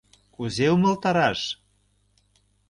Кузе умылтараш?